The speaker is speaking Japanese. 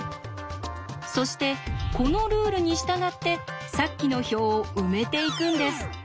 そしてこのルールに従ってさっきの表を埋めていくんです。